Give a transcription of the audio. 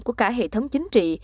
của cả hệ thống chính trị